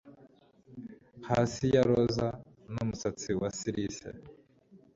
Hasi ya roza numusatsi wa cilice